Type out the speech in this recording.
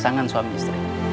sangat suami istri